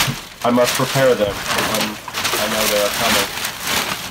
I must prepare for them when I know they are coming.